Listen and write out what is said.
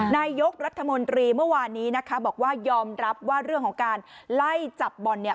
นายกรัฐมนตรีเมื่อวานนี้นะคะบอกว่ายอมรับว่าเรื่องของการไล่จับบอลเนี่ย